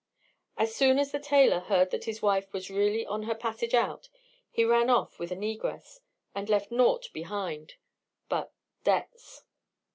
As soon as the tailor heard that his wife was really on her passage out, he ran off with a negress, and left nought behind but debts.